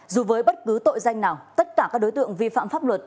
dù với bất cứ tội danh nào tất cả các đối tượng vi phạm pháp luật